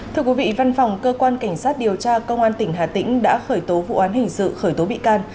thưa quý vị văn phòng cơ quan cảnh sát điều tra công an tỉnh hà tĩnh đã khởi tố vụ án hình sự khởi tố bị can